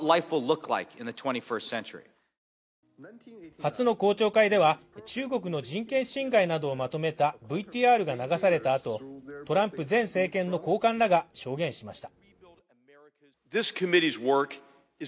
初の公聴会では、中国の人権侵害などをまとめたＶＴＲが流された後、トランプ前政権の高官らが証言しました。